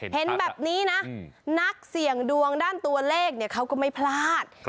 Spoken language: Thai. เห็นแบบนี้นะนักเสี่ยงดวงด้านตัวเลขเขาก็ไม่พลาด